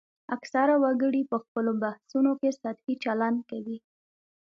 اکثره وګړي په خپلو بحثونو کې سطحي چلند کوي